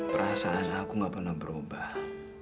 perasaan aku gak pernah berubah